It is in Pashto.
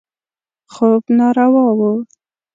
خوب ناروا و.